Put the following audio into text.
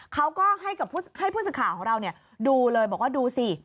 เขาก็ให้ผู้สื่อข่าวของเราดูเลยบอกว่าดูสิ